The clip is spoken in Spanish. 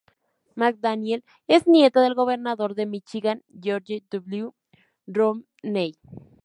McDaniel es nieta del Gobernador de Míchigan George W. Romney.